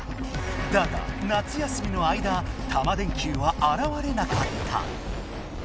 だが夏休みの間タマ電Ｑはあらわれなかった。